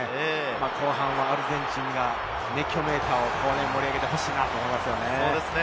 後半はアルゼンチンが熱狂メーターを盛り上げてほしいと思いますよね。